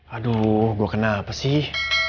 aduh gue kenapa sih